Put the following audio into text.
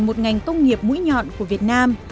một ngành công nghiệp mũi nhọn của việt nam